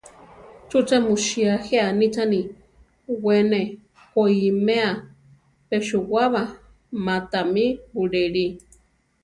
¿Chúche mu sía je anichani: we ne koʼiméa peʼsuwaba ma tamí buléli?